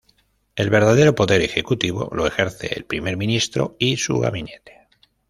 El verdadero poder ejecutivo lo ejerce el primer ministro y su gabinete.